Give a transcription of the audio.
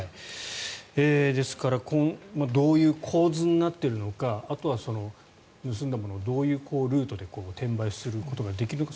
ですからどういう構図になっているのかあとは盗んだものをどういうルートで転売することができるのか。